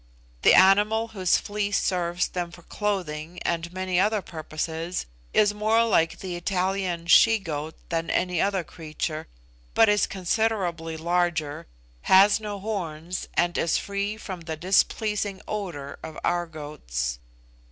The animal whose fleece serves them for clothing and many other purposes, is more like the Italian she goat than any other creature, but is considerably larger, has no horns, and is free from the displeasing odour of our goats.